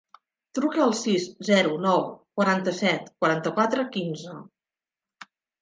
Truca al sis, zero, nou, quaranta-set, quaranta-quatre, quinze.